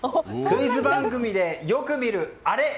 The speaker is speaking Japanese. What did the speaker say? クイズ番組でよく見る、あれ。